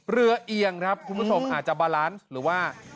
เอียงครับคุณผู้ชมอาจจะบาลานซ์หรือว่า